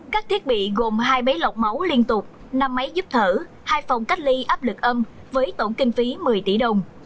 các thiết bị gồm hai máy lọc máu liên tục năm máy giúp thở hai phòng cách ly áp lực âm với tổng kinh phí một mươi tỷ đồng